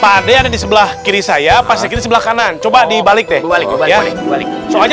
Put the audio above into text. pada yang di sebelah kiri saya pasti sebelah kanan coba dibalik balik balik balik soalnya